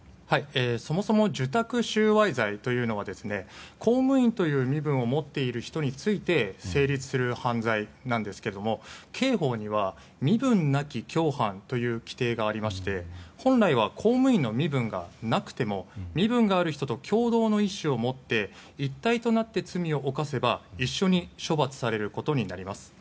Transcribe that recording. そもそも受託収賄罪というのは公務員という身分を持っている人について成立する犯罪なんですが刑法には身分なき共犯という規定がありまして本来は公務員の身分がなくても身分がある人の共同の意思を持って一体となって罪を犯せば一緒に処罰されることになります。